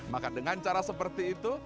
maka dengan cara seperti itu